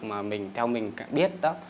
mà theo mình biết đó